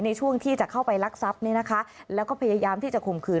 ในช่วงที่จะเข้าไปรักทรัพย์เนี่ยนะคะแล้วก็พยายามที่จะข่มขืน